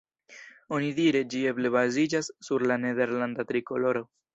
Onidire, ĝi eble baziĝas sur la nederlanda trikoloro.